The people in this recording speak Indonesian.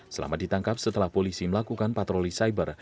selamat ditangkap setelah polisi melakukan patroli cyber